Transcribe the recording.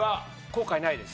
後悔ないです。